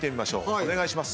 お願いします。